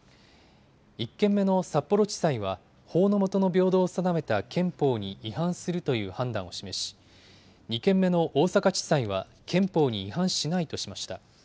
１件目の札幌地裁は、法の下の平等を定めた憲法に違反するという判断を示し、２件目の大阪地裁は憲法に違反しないとしました。